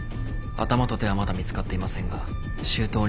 頭と手はまだ見つかっていませんが周到に処理したはずです。